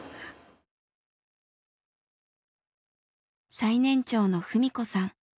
最年長の文子さん。